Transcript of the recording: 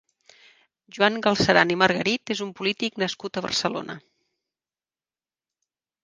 Joan Galceran i Margarit és un polític nascut a Barcelona.